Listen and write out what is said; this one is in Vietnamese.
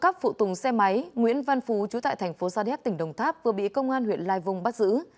phụ tùng xe máy nguyễn văn phú chú tại thành phố sa đéc tỉnh đồng tháp vừa bị công an huyện lai vung bắt giữ